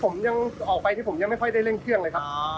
ผมยังออกไปที่ผมยังไม่ค่อยได้เร่งเครื่องเลยครับ